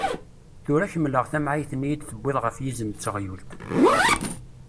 Tura ad kemmleɣ tamɛayt-nni i d-tebdiḍ ɣef yizem d teɣyult.